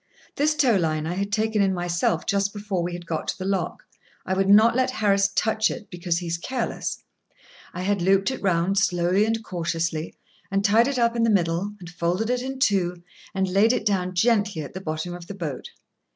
This tow line I had taken in myself just before we had got to the lock. I would not let Harris touch it, because he is careless. I had looped it round slowly and cautiously, and tied it up in the middle, and folded it in two, and laid it down gently at the bottom of the boat.